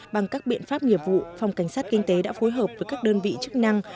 bằng các biện pháp nghiệp vụ phòng cảnh sát kinh tế đã phối hợp với các đơn vị chức năng